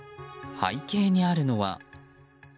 背景にあるのは。